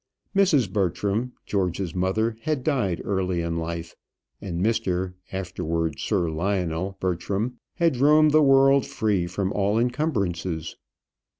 Mrs. Bertram, George's mother, had died early in life, and Mr. (afterwards Sir Lionel) Bertram had roamed the world free from all encumbrances.